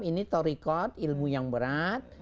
ini torikot ilmu yang berat